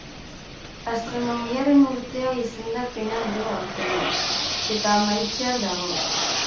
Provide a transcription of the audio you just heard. Astronomiaren urtea izendapena du aurtengoak eta amaitzear dago.